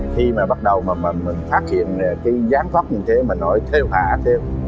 khi mà bắt đầu mà mình phát hiện cái gián phóc như thế mà nổi theo hạ theo